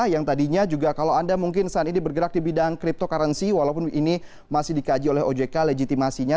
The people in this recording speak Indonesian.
yang tadinya juga kalau anda mungkin saat ini bergerak di bidang cryptocurrency walaupun ini masih dikaji oleh ojk legitimasinya